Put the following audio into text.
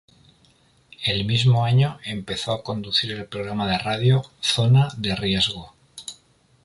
El mismo año empezó a conducir el programa de radio "Zona de riesgo".